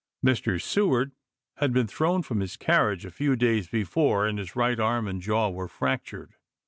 Mr. Seward had been thrown from his carriage a few days before and his right arm and jaw were fractured.